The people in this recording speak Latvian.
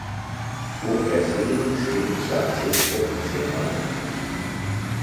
Otrais vilnis ir nu sācies oficiāli.